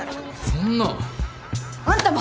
そんな。あんたも！